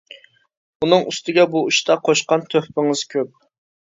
ئۇنىڭ ئۈستىگە بۇ ئىشتا قوشقان تۆھپىڭىز كۆپ.